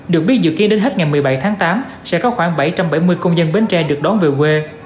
được biết dự kiến đến hết ngày một mươi bảy tháng tám sẽ có khoảng bảy trăm bảy mươi công dân bến tre được đón về quê